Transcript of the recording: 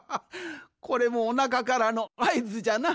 これもおなかからのあいずじゃな。